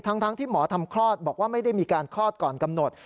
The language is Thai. ทั้งที่หมอทำคลอดบอกว่าไม่ได้มีการคลอดก่อนกำหนด